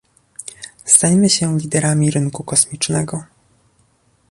Stańmy się liderami rynku kosmicznego